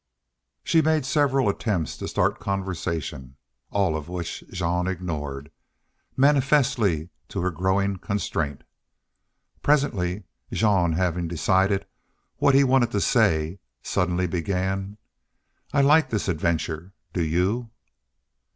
She made several attempts to start conversation, all of which Jean ignored, manifestly to her growing constraint. Presently Jean, having decided what he wanted to say, suddenly began: "I like this adventure. Do you?"